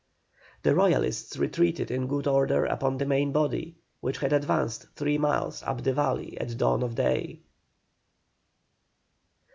The Royalists retreated in good order upon the main body, which had advanced three miles up the valley at dawn of day.